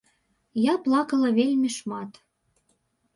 Я плакала вельмі шмат.